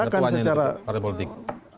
menurut anda sekarang ketuanya partai politik